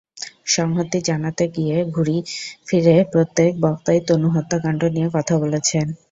সংহতি জানাতে গিয়ে ঘুরেফিরে প্রত্যেক বক্তাই তনু হত্যাকাণ্ড নিয়ে কথা বলেছেন।